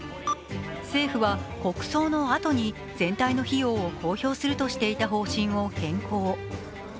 政府は国葬のあとに全体の費用を公表するとしていた方針を変更。